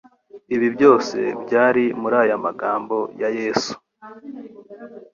Ibi byose byari muri aya magambo ya Yesu